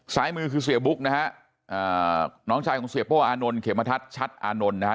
ซ้ายมือคือเสียบุ๊กนะฮะน้องชายของเสียโป้อานนท์เขมทัศน์ชัดอานนท์นะฮะ